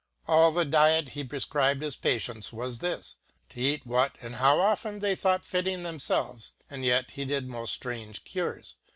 All the diet he prefenbed his patients was this^to eat what, ! and how often, they thought fitting themfelves, and yet he I didmoft ftrange cures.